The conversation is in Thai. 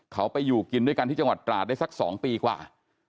เขาไปอยู่กินด้วยกันที่จังหวัดตราดได้สัก๒ปีกว่า